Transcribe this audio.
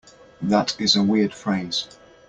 That is a weird phrase.